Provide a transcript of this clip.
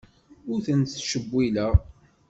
Ur tent-ttcewwileɣ.